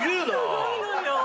すごいのよ。